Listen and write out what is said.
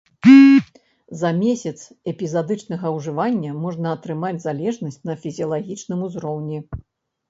За месяц эпізадычнага ўжывання можна атрымаць залежнасць на фізіялагічным узроўні.